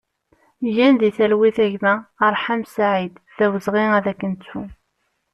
Gen di talwit a gma Arḥam Saïd, d awezɣi ad k-nettu!